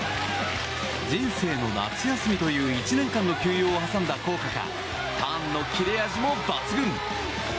人生の夏休みという１年間の休養を挟んだ効果かターンの切れ味も抜群。